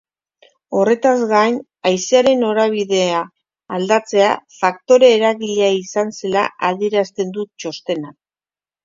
Horretaz gain, haizearen norabidea aldatzea faktore eragilea izan zela adierazten du txostenak.